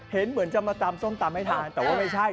เหมือนจะมาตำส้มตำให้ทานแต่ว่าไม่ใช่